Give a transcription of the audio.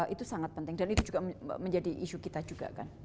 itu sangat penting dan itu juga menjadi isu kita juga kan